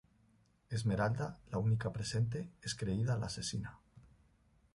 Esmeralda, la única presente, es creída la asesina.